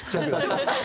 ハハハハ！